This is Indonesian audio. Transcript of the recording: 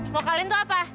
mau kalin tuh apa